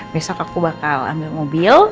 besok aku bakal ambil mobil